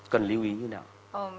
cần lệnh không